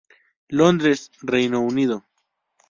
Londres, Reino Unido.